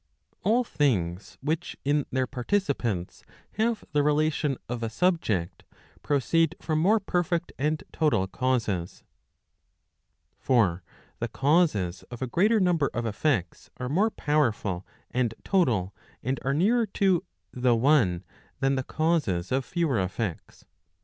All things which in their participants have the relation of a subject, proceed from more perfect and total causes. Digitized by Google PROP. LXXIII. OF THEOLOGY. 351 For the causes of a greater number of effects, are more powerful and total, and are nearer to the one than the causes of fewer effects.